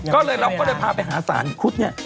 ก็เลยเราก็เลยพาไปหาสารครุฑเนี่ย